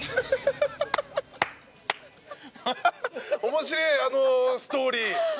面白えあのストーリー。